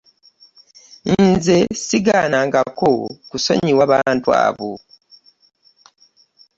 Nze ssigaanangako kusonyiwa bantu abo.